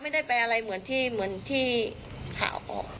ไม่ได้ไปอะไรเหมือนที่เหมือนที่ข่าวออก